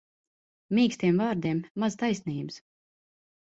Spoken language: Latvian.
Mīkstiem vārdiem maz taisnības.